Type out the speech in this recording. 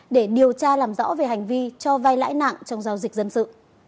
để điều tra làm rõ về hành vi cho vai lãi nặng trong giao dịch dân sự